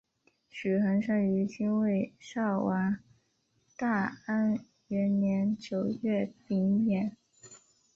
许衡生于金卫绍王大安元年九月丙寅。